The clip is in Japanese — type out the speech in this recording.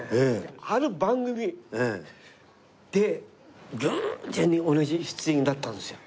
ある番組で偶然に同じ出演だったんですよ。